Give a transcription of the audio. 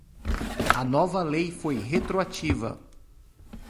A nova lei foi retroativa.